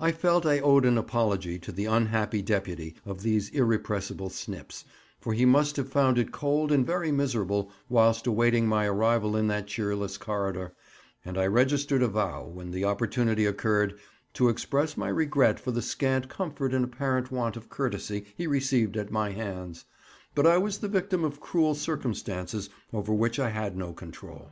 I often felt I owed an apology to the unhappy deputy of these irrepressible snips, for he must have found it cold and very miserable whilst awaiting my arrival in that cheerless corridor, and I registered a vow, when the opportunity occurred, to express my regret for the scant comfort and apparent want of courtesy he received at my hands; but I was the victim of cruel circumstances over which I had no control.